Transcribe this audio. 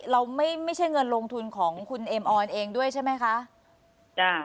เราไม่ใช่เงินลงทุนของคุณเอมออนเองด้วยใช่ไหมคะจ้ะ